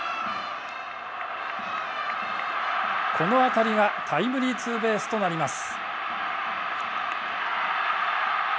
この当たりがタイムリーツーベースとなります。